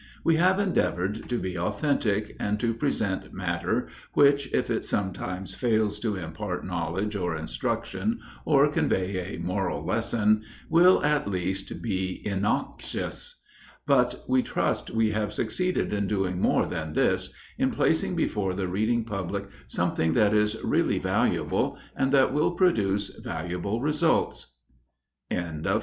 We have endeavored to be authentic, and to present matter, which, if it sometimes fail to impart knowledge or instruction, or convey a moral lesson, will, at least, be innoxious. But we trust we have succeeded in doing more than this in placing before the reading public something that is really valuable, and that will produce valuable results. CONTENTS.